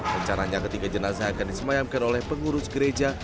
rencananya ketiga jenazah akan disemayamkan oleh pengurus gereja